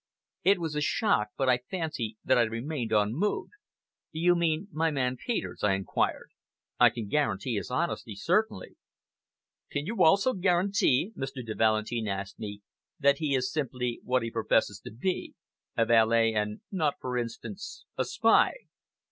It was a shock, but I fancy that I remained unmoved. "You mean my man Peters?" I inquired. "I can guarantee his honesty certainly." "Can you also guarantee," Mr. de Valentin asked me, "that he is simply what he professes to be a valet, and not, for instance, a spy?"